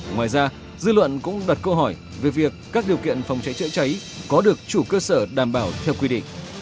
ngoài ra dư luận cũng đặt câu hỏi về việc các điều kiện phòng cháy chữa cháy có được chủ cơ sở đảm bảo theo quy định